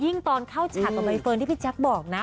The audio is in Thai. ยิ่งตอนเข้าฉัดก็ไบเฟิร์นที่พี่แจ๊กบอกนะ